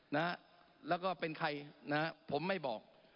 นะฮะแล้วก็เป็นใครนะฮะผมไม่บอก